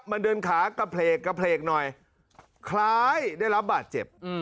มันเดินขากระเพลกกระเพลกหน่อยคล้ายได้รับบาดเจ็บ